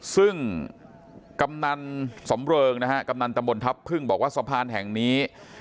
ซึ่งกำนันสำเริงนะฮะกำนันตำบลทัพพึ่งบอกว่าสะพานแห่งนี้